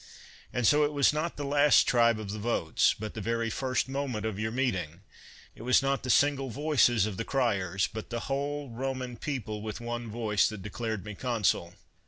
And so it was not the last tribe 72 CICERO of the votes, but the very first moment of your meeting — ^it was not the single voices of the criers, but the whole Roman people with one voice that declared me consul.